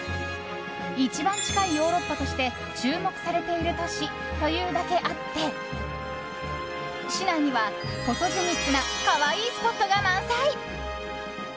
一番近いヨーロッパとして注目されている都市というだけあって市内にはフォトジェニックな可愛いスポットが満載。